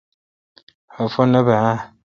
خفہ نہ بہ اؘ۔